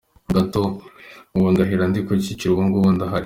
gato ! Ubu ndahari, ndi Kicukiro ubu ngubu, ndahari".